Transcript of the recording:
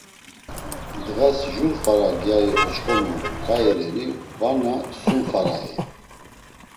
Ndğas jur fara gyayi oç̆k̆omu k̆ai reni varna sum farai?